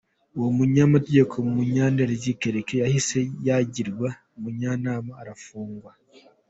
Uwo munyamategeko, Munyaradzi Kereke, yahise yagirwa munyuma arafungwa.